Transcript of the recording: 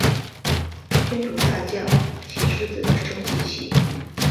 天竺大将棋狮子的升级棋。